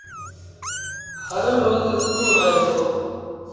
هر روز اسڪُول وهي دو